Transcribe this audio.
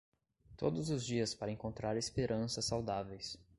Todos os dias para encontrar esperanças saudáveis